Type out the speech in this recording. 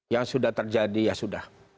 yang sudah terjadi ya sudah